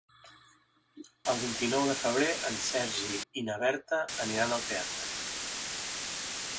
El vint-i-nou de febrer en Sergi i na Berta aniran al teatre.